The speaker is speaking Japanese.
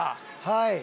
はい。